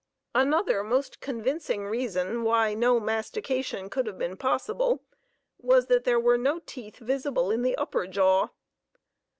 Another most convincing reason why no mastication could have been possible was that there were no teeth visible in the upper jaw.